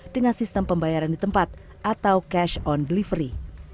dengan sistem pembayaran di tempat atau cash on delivery